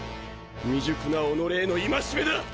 未熟な己への戒めだっ！！